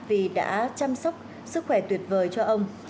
vì đã chăm sóc sức khỏe tuyệt vời cho ông